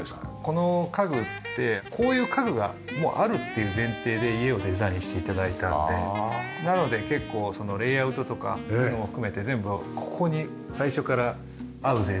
この家具ってこういう家具がもうあるっていう前提で家をデザインして頂いたのでなので結構そのレイアウトとかそういうのも含めて全部ここに最初から合う前提で。